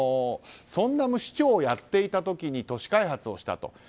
ソンナム市長をやっていた時に都市開発をしたと。